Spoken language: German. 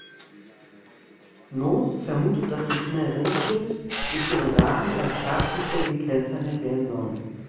Noth vermutet, dass die Kinder Rachels durch ihren Namen als Schafzüchter gekennzeichnet werden sollen.